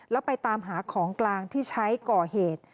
แล้วไปตามหาของกลางที่ใช้ก่อเหตุ